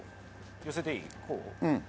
寄せていい？